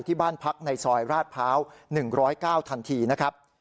ที่บ้านพักในซอยราชพร้าว๑๐๙ทันทีนะครับ